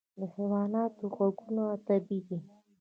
د حیواناتو غږونه طبیعي دي.